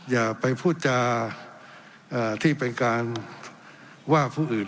อย่าไปพูดจาที่เป็นการว่าผู้อื่น